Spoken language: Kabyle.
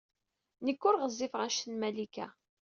Nekk ur ɣezzifeɣ anect n Malika.